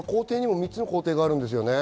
３つの工程があるんですよね。